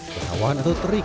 perawahan atau terik